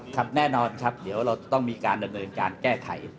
ครับแน่นอนครับเดี๋ยวเราจะต้องมีการดำเนินการแก้ไข